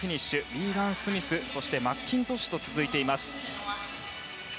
リーガン・スミス、そしてマッキントッシュと続きました。